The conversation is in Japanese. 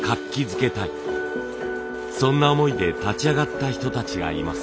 そんな思いで立ち上がった人たちがいます。